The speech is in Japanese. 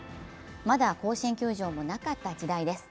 まだ甲子園球場もなかった時代です。